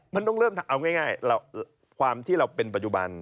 มันต้องเริ่มเอาง่ายความที่เราเป็นปัจจุบัน